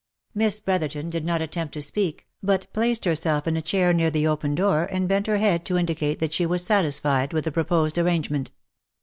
Miss Brotherton did not attempt to speak, but placed herself in a chair near the open door, and bent her head to indicate that she was satisfied with the proposed arrangement.